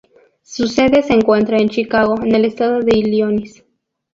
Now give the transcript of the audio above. Su sede se encuentra en Chicago, en el estado de Illinois.